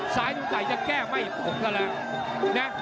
ซ้ายต้องใส่จะแก้งไม่หกเท่าแล้วนะ